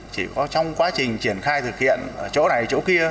chỉ có trong quá trình triển khai thực hiện ở chỗ này chỗ kia